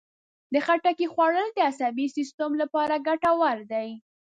د خټکي خوړل د عصبي سیستم لپاره ګټور دي.